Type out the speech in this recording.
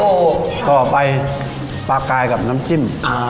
โหขอไปปลากลายกับน้ำจิ้ม